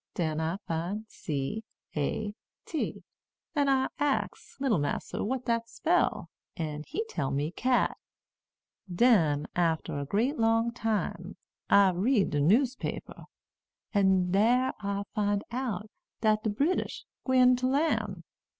Den I find C A T, an' I ax leetle massa what dat spell; an' he tell me cat. Den, after a great long time, I read de newspaper. An' dar I find out dat de British gwine to lan'.